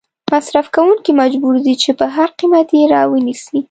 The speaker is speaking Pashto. مصرف کوونکې مجبور دي چې په هر قیمت یې را ونیسي.